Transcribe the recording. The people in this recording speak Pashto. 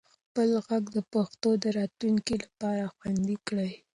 خپل ږغ د پښتو د راتلونکي لپاره خوندي کړئ.